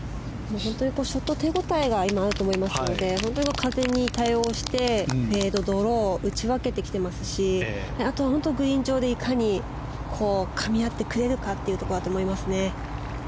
ショットに手応えがあると思いますので風に対応してフェード、ドロー打ち分けてきていますしグリーン上でいかにかみ合ってくれるかだと思います。